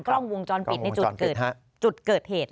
กล้องวงจรปิดในจุดเกิดเหตุ